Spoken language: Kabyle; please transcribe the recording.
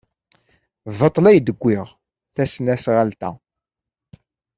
Baṭel ay d-wwiɣ tasnasɣalt-a.